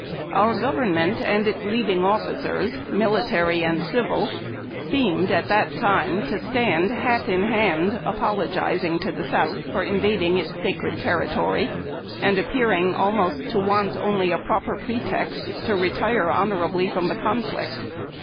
Our government and its leading officers, military and civil, seemed at that time to stand hat in hand apologizing to the South for invading its sacred territory, and almost appearing to want only a proper pretext to retire honorably from the conflict.